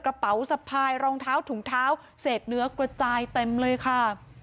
กระเป๋าสะพายรองเท้าถุงเท้าเศษเนื้อกระจายเต็มเลยค่ะ